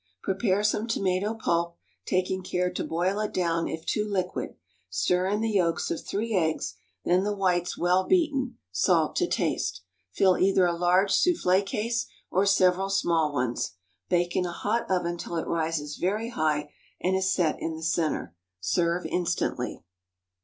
_ Prepare some tomato pulp, taking care to boil it down if too liquid; stir in the yolks of three eggs, then the whites well beaten; salt to taste. Fill either a large soufflé case or several small ones. Bake in a hot oven till it rises very high and is set in the centre; serve instantly.